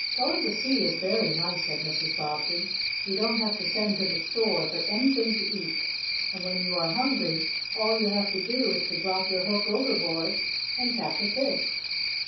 "Going to sea is very nice," said Mrs. Bobbsey. "You don't have to send to the store for anything to eat, and when you are hungry all you have to do is to drop your hook overboard and catch a fish."